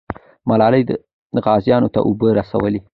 ملالۍ غازیانو ته اوبه رسولې.